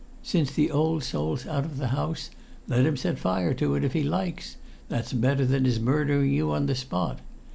Since the old soul's out of the house, let him set fire to it if he likes; that's better than his murdering you on the spot.